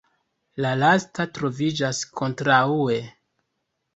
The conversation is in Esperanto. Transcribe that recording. La lasta troviĝas kontraŭe.